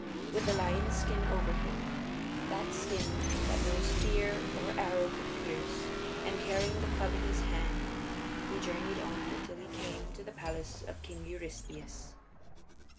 With the lion's skin over him that skin that no spear or arrow could pierce and carrying the club in his hand he journeyed on until he came to the palace of King Eurystheus.